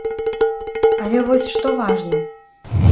Але вось што важна.